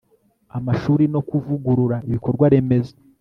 amashuri no kuvugurura ibikorwa remezo